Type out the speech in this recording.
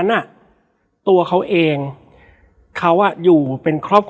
และวันนี้แขกรับเชิญที่จะมาเชิญที่เรา